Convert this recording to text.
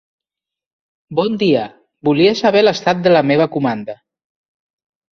Bon dia, volia saber l'estat de la meva comanda.